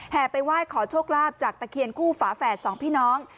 ไปไหว้ขอโชคลาภจากตะเคียนคู่ฝาแฝดสองพี่น้อง